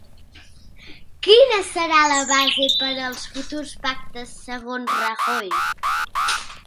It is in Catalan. Quina serà la base per als futurs pactes segons Rajoy?